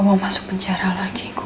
sampai jumpa di video selanjutnya